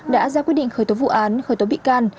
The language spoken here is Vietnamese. đã ra quyết định khởi tố vụ án khởi tố bị can